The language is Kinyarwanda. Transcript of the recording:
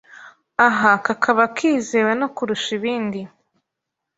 aha kakaba kizewe no kurusha ibindi